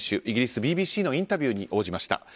イギリスＢＢＣのインタビューに応じまいた。